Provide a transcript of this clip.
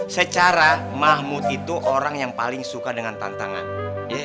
secara mahmud itu orang yang paling suka dengan tantangan